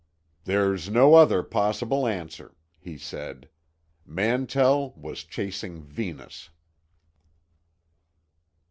There's no other possible answer," he said. "Mantell was chasing Venus."